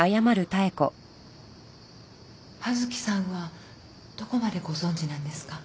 刃月さんはどこまでご存じなんですか？